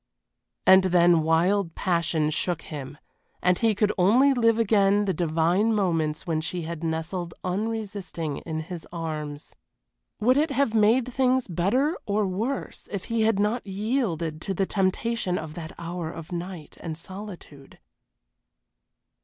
And then wild passion shook him, and he could only live again the divine moments when she had nestled unresisting in his arms. Would it have made things better or worse if he had not yielded to the temptation of that hour of night and solitude?